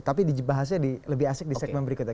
tapi dibahasnya lebih asik di segmen berikutnya